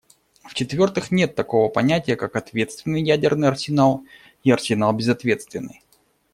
В-четвертых, нет такого понятия, как ответственный ядерный арсенал и арсенал безответственный.